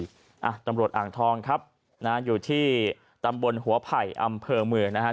อ่ะตำรวจอ่างทองครับนะฮะอยู่ที่ตำบลหัวไผ่อำเภอเมืองนะฮะ